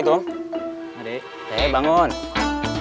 is hardaq pa ala alhamdulillahi khair who toaf praise